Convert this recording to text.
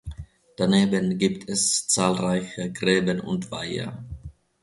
Daneben gibt es zahlreiche Gräben und Weiher.